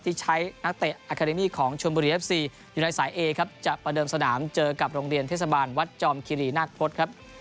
ที่ใช้นักเตะอาคาเดมี่ของชนบุรีเอฟซีอยู่ในสายเอครับจะประเดิมสนามเจอกับโรงเรียนเทศบาลวัดจอมคิรีนาคพจน์ครับ